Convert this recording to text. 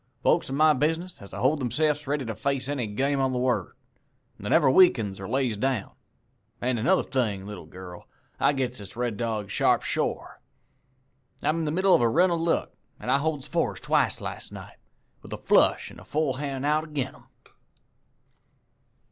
'Folks in my business has to hold themse'fs ready to face any game on the word, an' they never weakens or lays down. An' another thing, little girl; I gets this Red Dog sharp shore. I'm in the middle of a run of luck; I holds fours twice last night, with a flush an' a full hand out ag'in 'em.'